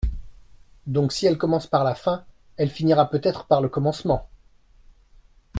Donc, si elle commence par la fin, elle finira peut-être par le commencement !